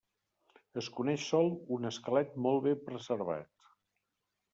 Es coneix sol un esquelet molt bé preservat.